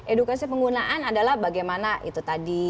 edukasi penggunaan adalah bagaimana itu tadi